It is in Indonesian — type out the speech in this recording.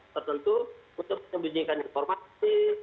tertentu untuk menyembunyikan informasi